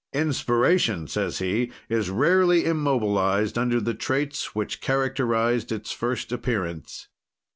"Inspiration," says he, "is rarely immobilized under the traits which characterized its first appearance.